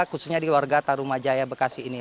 khususnya di warga tarumajaya bekasi ini